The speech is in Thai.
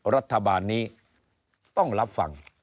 รัฐบาลนี้ต้องรับฟัง